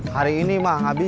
hari ini mah habis